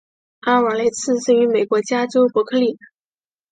阿尔瓦雷茨生于美国加州伯克利。